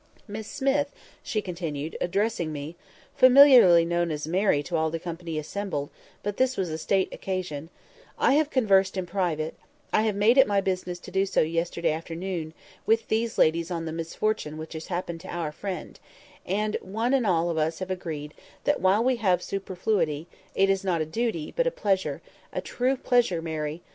"Miss Smith," she continued, addressing me (familiarly known as "Mary" to all the company assembled, but this was a state occasion), "I have conversed in private—I made it my business to do so yesterday afternoon—with these ladies on the misfortune which has happened to our friend, and one and all of us have agreed that while we have a superfluity, it is not only a duty, but a pleasure—a true pleasure, Mary!"